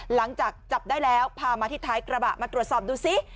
หลังจากจับได้แล้วพามาที่ท้ายกระบะมาตรวจสอบดูซิ